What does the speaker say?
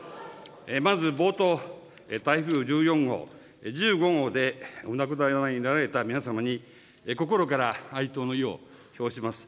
まず冒頭、台風１４号、１５号でお亡くなりになられた皆様に、心から哀悼の意を表します。